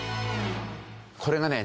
これがね